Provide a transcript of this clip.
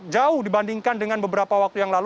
jauh dibandingkan dengan beberapa waktu yang lalu